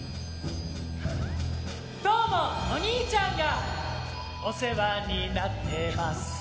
「どうもお兄ちゃんがお世話になってます」